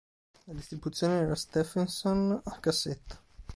La distribuzione era Stephenson a cassetto.